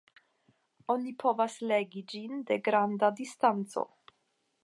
Oni povas legi ĝin de granda distanco.